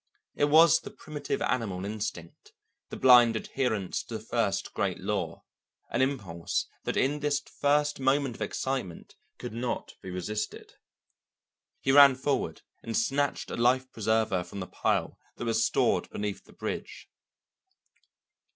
It was the primitive animal instinct, the blind adherence to the first great law, an impulse that in this first moment of excitement could not be resisted. He ran forward and snatched a life preserver from the pile that was stored beneath the bridge.